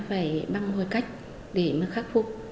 và phải băng hồi cách để khắc phục